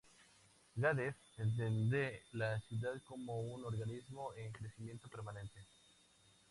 Geddes entiende la ciudad como un organismo en crecimiento permanente.